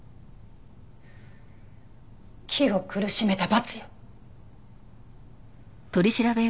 木を苦しめた罰よ！